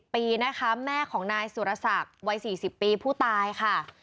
ปีนะคะแม่ของนายสุรสักวัยสี่สิบปีผู้ตายค่ะ